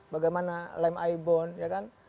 bagaimana lem ibon ya kan